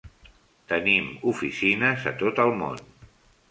Tenim oficines a tot el món.